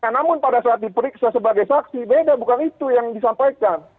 namun pada saat diperiksa sebagai saksi beda bukan itu yang disampaikan